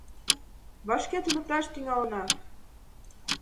Вашке туныкташ тӱҥалына.